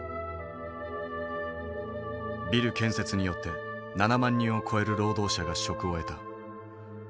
ビル建設によって７万人を超える労働者が職を得た。